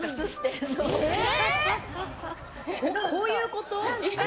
こういうこと？